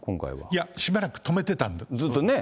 いや、しばらく止めてたんでずっとね。